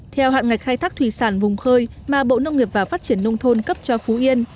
theo hạn ngạch khai thác thủy sản vùng khơi mà bộ nông nghiệp và phát triển nông thôn cấp cho phú yên